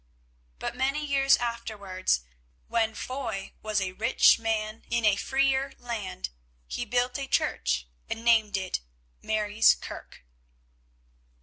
But many years afterwards, when Foy was a rich man in a freer land, he built a church and named it Mary's kirk.